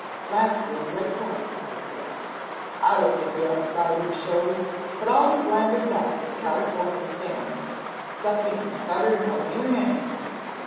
Lastly, let Corp have his say: "I looked at the outside of the shows, but always landed back at Californy's stand. Sucking is better nor near anything.